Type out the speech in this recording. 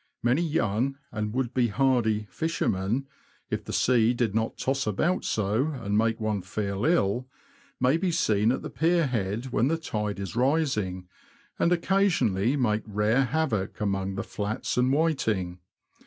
Many young, and would be hardy, fishermen (if the sea did not toss about so, and make one feel ill) may be seen at the pier head when the tide is rising, and occasionally make rare havoc among the flats and whiting.